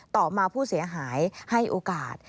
ต่อมาผู้เสียหายให้โอกาส